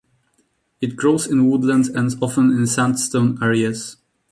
It grows in woodland and often in sandstone areas.